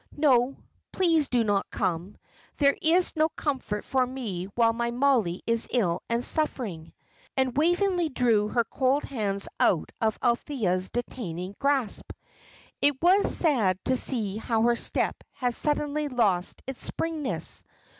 "No; please do not come. There is no comfort for me while my Mollie is ill and suffering;" and Waveney drew her cold hands out of Althea's detaining grasp. It was sad to see how her step had suddenly lost its springiness.